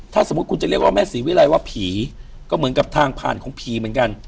ถ้าสมมุติคุณจะเรียกว่าแม่ศรีวิรัยว่าผีก็เหมือนกับทางผ่านของผีเหมือนกัน